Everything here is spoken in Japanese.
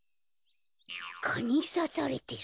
かにさされてる。